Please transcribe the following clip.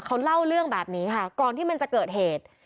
เขาเล่าเรื่องแบบนี้ค่ะก่อนที่มันจะเกิดเหตุ